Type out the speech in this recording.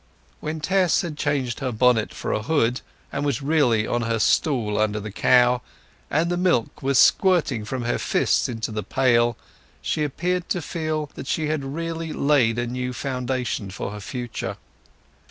When Tess had changed her bonnet for a hood, and was really on her stool under the cow, and the milk was squirting from her fists into the pail, she appeared to feel that she really had laid a new foundation for her future.